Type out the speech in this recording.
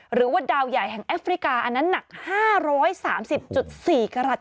หรือว่าดาวใหญ่แห่งแอฟริกาอันนั้นหนัก๕๓๐๔กรัฐ